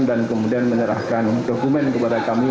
kemudian menyerahkan dokumen kepada kami